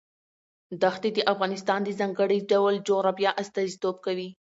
دښتې د افغانستان د ځانګړي ډول جغرافیه استازیتوب کوي.